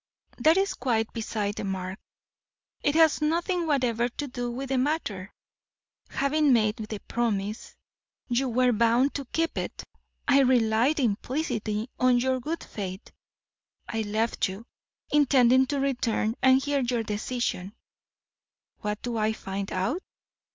"That is quite beside the mark; it has nothing whatever to do with the matter. Having made the promise, you were bound to keep it. I relied implicitly on your good faith. I left you, intending to return and hear your decision. What do I find out?